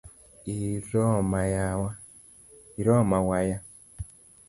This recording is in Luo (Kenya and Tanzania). Iroma waya